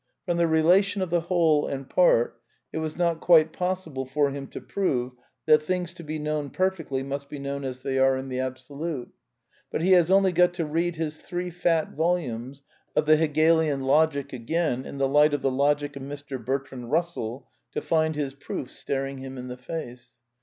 From the relation of the whole and part it was not quite possible for him to prove that things to be known per fectly must be known as they are in the Absolute. But he has only got to read his three fat volumes of the H^e lian Logic again in the light of the Logic of Mr. Bertrand Bussell to find his proof staring him in the face.